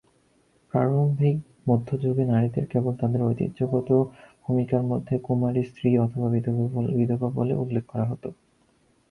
প্রারম্ভিক মধ্য যুগে নারীদের কেবল তাদের ঐতিহ্যগত ভূমিকা মধ্যে কুমারী, স্ত্রী, অথবা বিধবা বলে উল্লেখ করা হত।